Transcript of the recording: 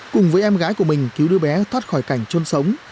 cùng với em gái của mình cứu đứa bé thoát khỏi cảnh trôn sống